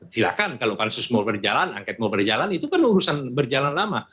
silahkan kalau pansus mau berjalan angket mau berjalan itu kan urusan berjalan lama